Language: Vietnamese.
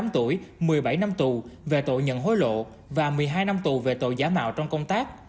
một mươi tám tuổi một mươi bảy năm tù về tội nhận hối lộ và một mươi hai năm tù về tội giả mạo trong công tác